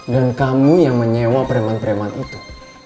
dan kamu yang menyewa preman preman itu